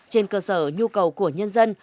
trên cơ sở nhu cầu của nhân dân